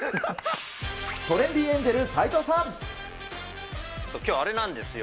トレンディエンジェル・斎藤きょう、あれなんですよ。